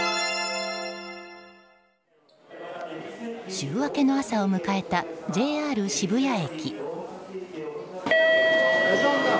週明けの朝を迎えたＪＲ渋谷駅。